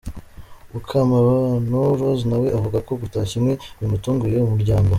Mukamabano Rose nawe avuga ko gutashya inkwi bimutungiye umuryango.